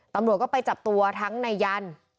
ตำรวจก็ไปจับตัวทั้งนายยัน